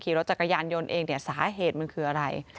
ขี่รถจักรยานยนต์เองเนี่ยสาเหตุมันคืออะไร